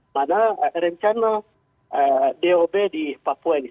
mana rencana dob di papua ini